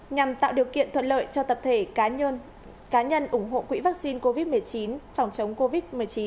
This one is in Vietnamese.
nhằm tạo điều kiện thuận lợi cho tập thể cá nhân cá nhân ủng hộ quỹ vaccine covid một mươi chín phòng chống covid một mươi chín